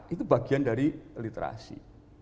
itu bagian dari literasi